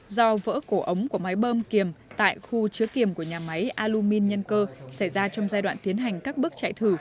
do vỡ cổ ống của máy bơm kiềm tại khu chứa kiềm của nhà máy alumin nhân cơ xảy ra trong giai đoạn tiến hành các bước chạy thử